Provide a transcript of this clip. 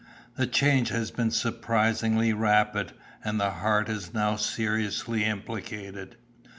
The change has been surprisingly rapid, and the heart is now seriously implicated.